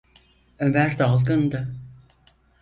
Ömer dalgındı.